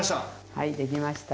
はいできました。